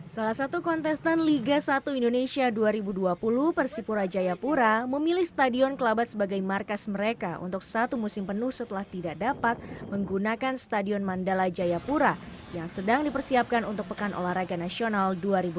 salah satu kontestan liga satu indonesia dua ribu dua puluh persipura jayapura memilih stadion kelabat sebagai markas mereka untuk satu musim penuh setelah tidak dapat menggunakan stadion mandala jayapura yang sedang dipersiapkan untuk pekan olahraga nasional dua ribu dua puluh